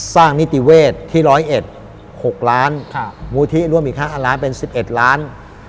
สร้างนิติเวทย์ที่ร้อยเอ็ด๖ล้านมูลทิศร่วมอีกครั้งอันล้านเป็น๑๑ล้าน